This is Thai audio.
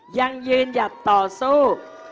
ยังยืนหยัดต่อสู้